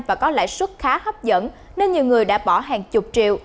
và có lãi suất khá hấp dẫn nên nhiều người đã bỏ hàng chục triệu